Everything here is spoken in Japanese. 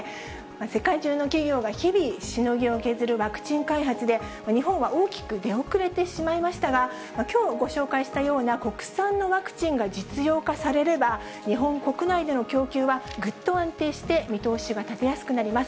世界中の企業が日々しのぎを削るワクチン開発で日本は大きく出遅れてしまいましたが、きょうご紹介したような国産のワクチンが実用化されれば、日本国内での供給はぐっと安定して、見通しが立てやすくなります。